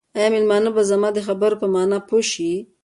آیا مېلمانه به زما د خبرو په مانا پوه شي؟